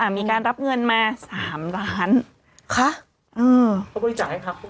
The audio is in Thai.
อ่ามีการรับเงินมาสามล้านค่ะเออเขาบริจาคให้พัก